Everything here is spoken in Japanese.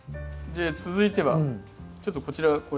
続いてはちょっとこちらこれ。